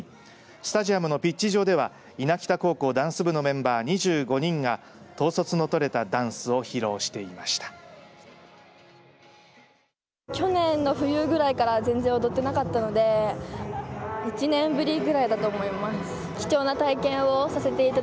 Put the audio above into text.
スタジアムのピッチ上では伊那北高校ダンス部のメンバー２５人が統率の取れたダンスを披露していました。